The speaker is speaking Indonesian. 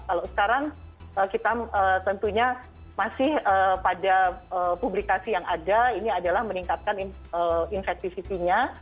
kalau sekarang kita tentunya masih pada publikasi yang ada ini adalah meningkatkan infektivity nya